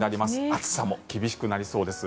暑さも厳しくなりそうです。